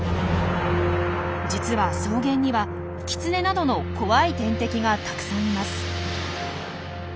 実は草原にはキツネなどの怖い天敵がたくさんいます。